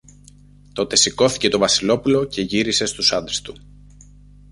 Τότε σηκώθηκε το Βασιλόπουλο και γύρισε στους άντρες του.